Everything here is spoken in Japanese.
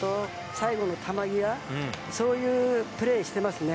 最後の球際そういうプレーしてますね。